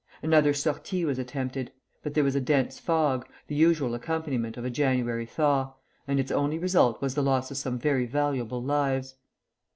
Another sortie was attempted; but there was a dense fog, the usual accompaniment of a January thaw, and its only result was the loss of some very valuable lives.